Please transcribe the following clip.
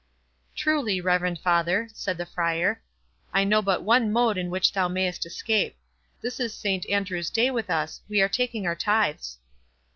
"Truly, reverend father," said the Friar, "I know but one mode in which thou mayst escape. This is Saint Andrew's day with us, we are taking our tithes."